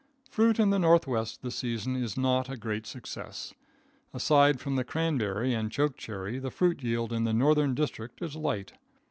Fruit in the Northwest this season is not a great success. Aside from the cranberry and choke cherry, the fruit yield in the northern district is light.